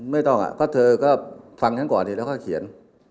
ไม่ต้องเพราะเธอก็ฟังฉันก่อนดีแล้วก็เขียน